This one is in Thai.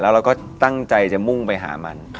เราก็ตั้งใจจะมุ่งไปหามัน